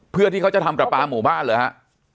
เพื่อที่เขาจะทำประปาหมู่บ้านเหรอฮะ